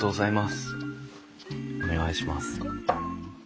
お願いします。